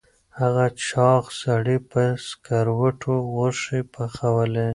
هغه چاغ سړي په سکروټو غوښې پخولې.